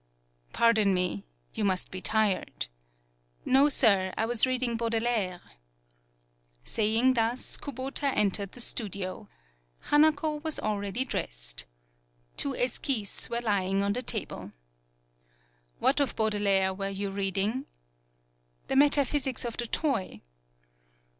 "Pardon me. You must be tired." "No, sir, I was reading Baudelaire." Saying thus, Kubota entered the studio. Hanako was already dressed. Two esquisses were lying on the table. "What of Baudelaire were you read ing?" " 'The Metaphysics of the Toy.'